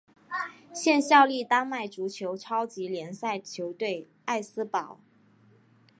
现效力丹麦足球超级联赛球队艾斯堡。